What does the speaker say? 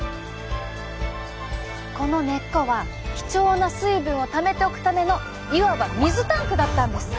この根っこは貴重な水分をためておくためのいわば水タンクだったんです。